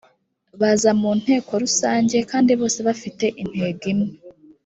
baza mu nteko rusange kandi bose bafite intego imwe